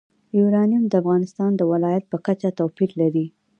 یورانیم د افغانستان د ولایاتو په کچه توپیر لري.